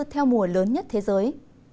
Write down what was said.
theo mùa lớn nhất thế giới